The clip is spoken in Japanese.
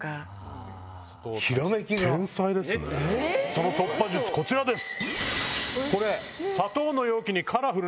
その突破術こちらです。